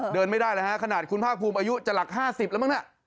เดินไม่ได้เลยฮะขนาดคุณภาคภูมิอายุจะหลัก๕๐แล้วมั้งน่ะ